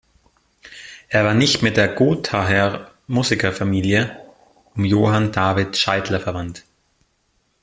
Er war nicht mit der Gothaer Musikerfamilie um Johann David Scheidler verwandt.